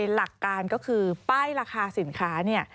เป็นหลักการก็คือป้ายราคาสินค้า